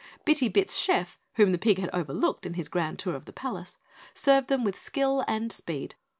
Bitty Bit's chef, whom the pig had overlooked in his grand tour of the palace, served them with skill and speed.